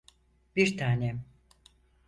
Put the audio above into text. Bir tanem.